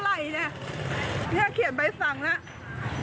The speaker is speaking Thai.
ตัวอีกก็๗๐๐๗๐๐เนี่ยนุ้ยเธอ